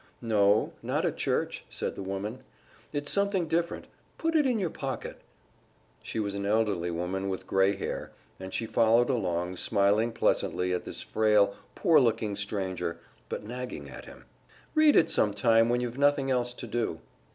"No, not a church," said the woman. "It's something different; put it in your pocket." She was an elderly woman with gray hair, and she followed along, smiling pleasantly at this frail, poor looking stranger, but nagging at him. "Read it some time when you've nothing else to do."